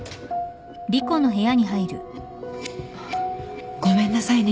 あっごめんなさいね